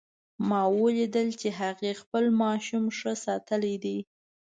ما ولیدل چې هغې خپل ماشوم ښه ساتلی ده